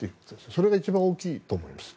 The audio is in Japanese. それが一番大きいと思います。